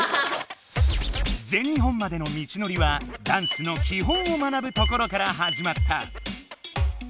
全日本までの道のりはダンスの基本を学ぶところからはじまった！